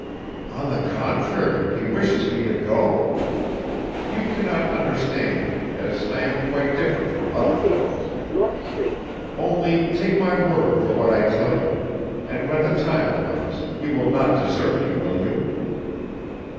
"On the contrary, he wishes me to go. You can not understand me, as I am quite different from other girls. Only take my word for what I tell you; and when the time comes, you will not desert me, will you?"